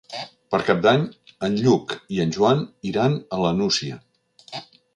Per Cap d'Any en Lluc i en Joan iran a la Nucia.